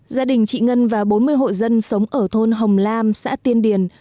gia đình chị ngân và bốn mươi hội dân sống ở thôn hồng lam xã tiên điền